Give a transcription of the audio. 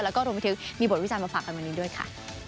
แล้วก็รวมไปถึงมีบทวิจารณมาฝากกันวันนี้ด้วยค่ะ